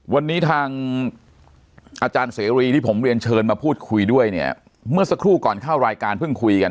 วันนี้ทางอาจารย์เสรีที่ผมเรียนเชิญมาพูดคุยด้วยเนี่ยเมื่อสักครู่ก่อนเข้ารายการเพิ่งคุยกัน